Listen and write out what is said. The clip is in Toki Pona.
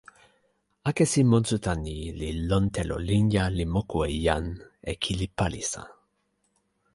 akesi monsuta ni li lon telo linja li moku e jan e kili palisa.